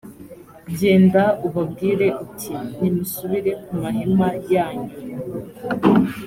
genda ubabwire uti ’nimusubire ku mahema yanyu!’